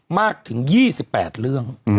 มากถึง๒๘เรื่อง